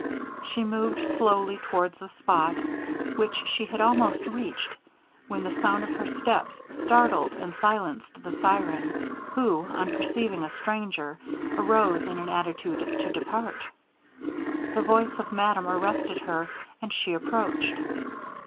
She moved slowly towards the spot, which she had almost reached, when the sound of her steps startled and silenced the syren, who, on perceiving a stranger, arose in an attitude to depart. The voice of madame arrested her, and she approached.